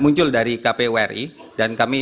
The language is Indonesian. muncul dari kpu ri dan kami